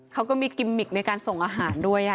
เขาก็มีกิมมิกในการส่งอาหารด้วย